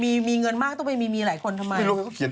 เพราะมีเงินมากจึงมีเมียหลายคน